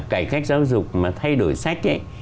cải cách giáo dục mà thay đổi sách ấy